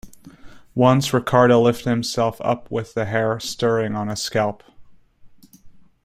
Once Ricardo lifted himself up with the hair stirring on his scalp.